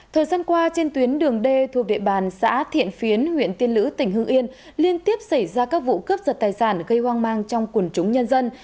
thời gian qua trên tuyến đường d thuộc địa bàn xã thiện phiến huyện tiên lữ tỉnh hương yên liên tiếp xảy ra các vụ cướp giật tài sản gây hoang mang trong quần chúng nhân dân